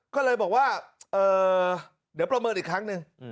ก็เลยบอกว่าเดี๋ยวประเมินอีกครั้งหนึ่ง